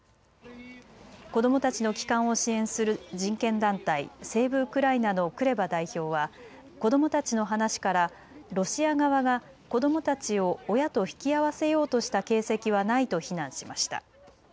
子どもたちの帰還を支援する人権団体、セーブ・ウクライナのクレバ代表は子どもたちの話からロシア側が子どもたちを親と引き合わせようとした形跡はないと非難しました。